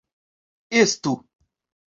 Estu!